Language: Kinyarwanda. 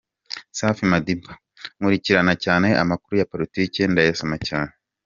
Safi Madiba: Nkurikirana cyane amakuru ya politike, ndayasoma cyane.